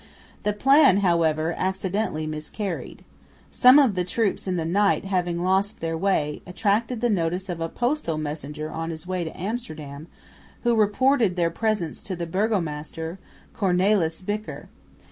The plan, however, accidentally miscarried. Some of the troops in the night having lost their way, attracted the notice of a postal messenger on his way to Amsterdam, who reported their presence to the burgomaster, Cornelis Bicker.